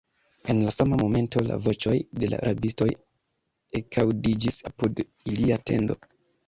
En la sama momento la voĉoj de la rabistoj ekaŭdiĝis apud ilia tendo.